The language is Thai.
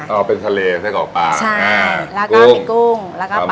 เอ่อเป็นทะเลไซส์กอกปลาใช่แล้วก็ผิกกุ้งแล้วก็ปะหมึก